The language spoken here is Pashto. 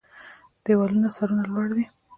د دیوالونو سرونه لوړ دی